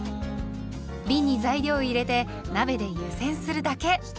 びんに材料を入れて鍋で湯煎するだけ。